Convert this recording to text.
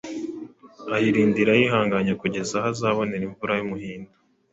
ayirindira yihanganye kugeza aho azabonera imvura y’umuhindo